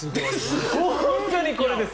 本当にこれです。